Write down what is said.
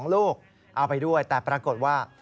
๒ลูกเอาไปด้วยแต่ปรากฏว่า